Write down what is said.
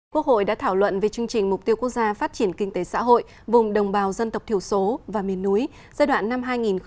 quốc hội đã thảo luận về chương trình mục tiêu quốc gia phát triển kinh tế xã hội vùng đồng bào dân tộc thiểu số và miền núi giai đoạn năm hai nghìn hai mươi một hai nghìn ba mươi